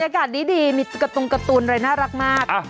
ติดอากาศดีมีกระตุนเลยน่ารักมาก